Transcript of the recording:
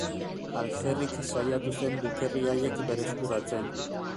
Alferrik saiatu zen dukerri haiek berreskuratzen.